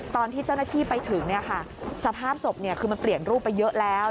ตอนที่เจ้าหน้าที่ไปถึงสภาพศพคือมันเปลี่ยนรูปไปเยอะแล้ว